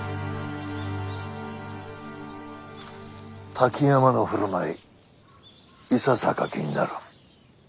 滝山の振る舞いいささか気になる。